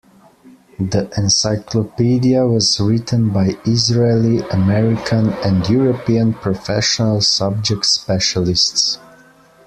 The encyclopedia was written by Israeli, American and European professional subject specialists.